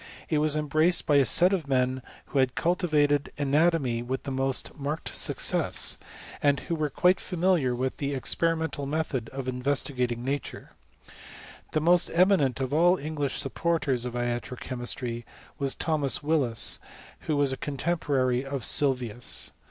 It was embraced by a set of men wldipEj bad cultivated anatomy with the most marked succ8ti|^, VAN HELICOKT AlTD THE ZATRO C&£MISTS. 1^01 wad who were quite familiar with the experimental method of investigating nature. The most eminent ef. all the English supporters of iatro ehemistry was lliomas Willis, who was a contemporary of Sylvius.